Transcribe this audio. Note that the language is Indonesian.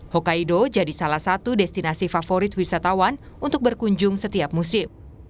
hokkaido jadi salah satu destinasi favorit wisatawan untuk berkunjung setiap musim